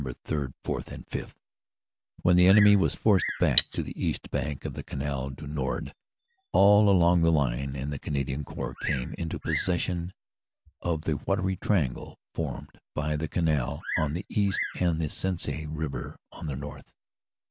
3, 4 and 5, when the enemy was forced back to the east bank of the Canal du Nord all along the line, and the Canadian Corps came into possession of the watery triangle formed by the Canal on the east and the Sensee river on the north.